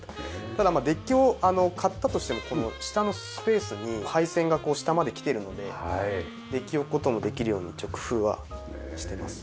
ただデッキを買ったとしてもこの下のスペースに配線が下まで来てるのでデッキを置く事もできるように一応工夫はしてます。